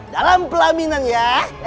dalam pelaminan ya